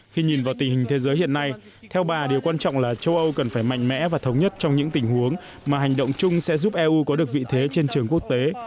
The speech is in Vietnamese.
khi nhìn vào tình hình thế giới hiện nay theo bà điều quan trọng là châu âu cần phải mạnh mẽ và thống nhất trong những tình huống mà hành động chung sẽ giúp eu có được vị thế trên trường quốc tế